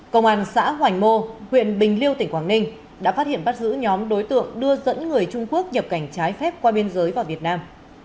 công an xã hoành mô huyện bình liêu tỉnh quảng ninh đã phát hiện bắt giữ nhóm đối tượng đưa dẫn người trung quốc nhập cảnh trái phép qua biên giới vào việt nam